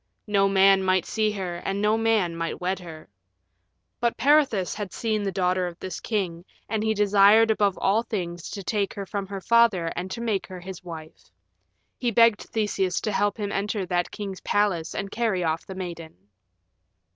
No man might see her, and no man might wed her. But Peirithous had seen the daughter of this king, and he desired above all things to take her from her father and make her his wife. He begged Theseus to help him enter that king's palace and carry off the maiden.